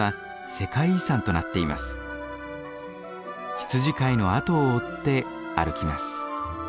羊飼いのあとを追って歩きます。